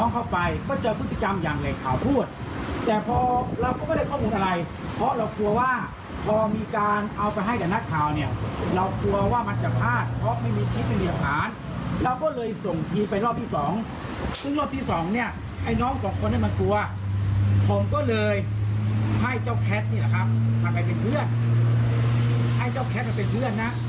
ก็เลยให้เจ้าแคทนี่แหละครับพาไปเป็นเพื่อนให้เจ้าแคทก็เป็นเพื่อนนะ